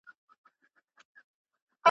ګوندي قبول سي خواست د خوارانو ,